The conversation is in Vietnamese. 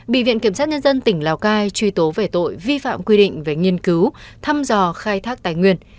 bị viện kiểm sát nhân dân tỉnh lào cai truy tố về tội vi phạm quy định về nghiên cứu thăm dò khai thác tài nguyên